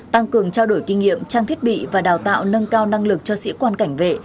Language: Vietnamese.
tăng cường trao đổi kinh nghiệm trang thiết bị và đào tạo nâng cao năng lực cho sĩ quan cảnh vệ